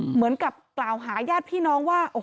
เหมือนกับกล่าวหาญาติพี่น้องว่า